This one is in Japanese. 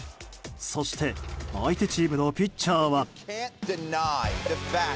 そして相手チームのピッチャーは。